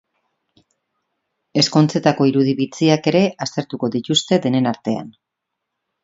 Ezkontzetako irudi bitxiak ere aztertuko dituzte denen artean.